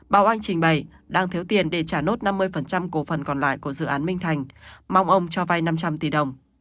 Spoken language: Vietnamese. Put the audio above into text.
báo oanh trình bày đang thiếu tiền để trả nốt năm mươi cổ phần còn lại của dự án minh thành mong ông cho vay năm trăm linh tỷ đồng